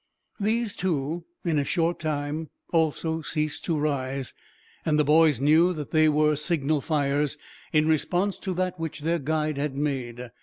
These, too, in a short time also ceased to rise; and the boys knew that they were signal fires, in response to that which their guide had made.